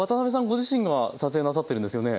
ご自身が撮影なさってるんですよね。